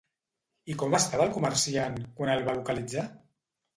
I com estava el comerciant quan el va localitzar?